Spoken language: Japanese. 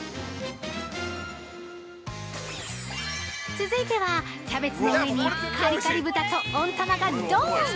◆続いては、キャベツの上にカリカリ豚と温玉がどーん！